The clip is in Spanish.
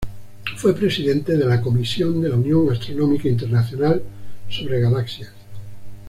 Fue presidente de la Comisión de la Unión Astronómica Internacional sobre Galaxias.